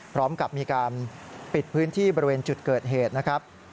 พร้อมกับมีการปิดพื้นที่บริเวณจุดเกิดเหตุนะครับ